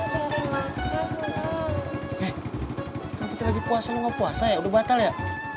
eh kan kita lagi puasa lo gak puasa ya udah batal ya